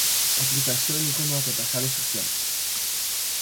Aplikazioen ikonoak eta sare sozialak.